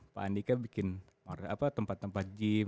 pak andika bikin tempat tempat gym